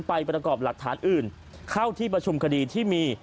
ประกอบหลักฐานอื่นเข้าที่ประชุมคดีที่มี